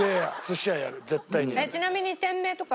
ちなみに。